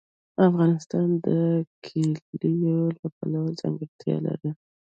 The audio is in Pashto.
افغانستان د کلیو له پلوه ځانګړتیاوې لري.